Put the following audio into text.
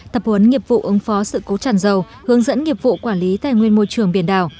tập huấn nghiệp vụ ứng phó sự cố tràn dầu hướng dẫn nghiệp vụ quản lý tài nguyên môi trường biển đảo